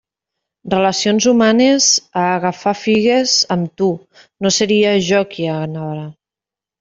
Relacions humanes A agafar figues amb tu, no seria jo qui anara.